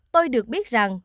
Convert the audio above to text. tôi được biết rằng